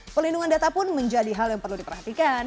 pelindungan data pun menjadi hal yang perlu diperhatikan